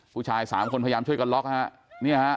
ผู้ชายสามคนพยายามช่วยกันล๊อคนะครับ